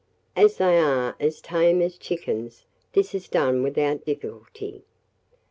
As they are as tame as chickens, this is done without difficulty.